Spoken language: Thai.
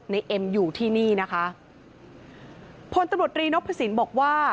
ในเอ็มอยู่ที่นี่นะคะพลตำรวจรีนพศิลปูนสวัสดิ์บอกว่า